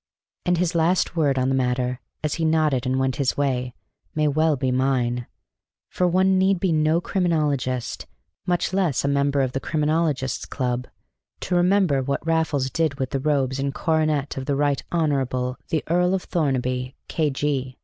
And his last word on the matter, as he nodded and went his way, may well be mine; for one need be no criminologist, much less a member of the Criminologists' Club, to remember what Raffles did with the robes and coronet of the Right Hon. the Earl of Thornaby, K.G.